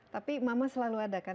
tapi mama selalu ada kan